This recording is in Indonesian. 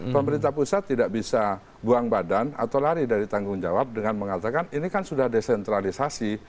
pemerintah pusat tidak bisa buang badan atau lari dari tanggung jawab dengan mengatakan ini kan sudah desentralisasi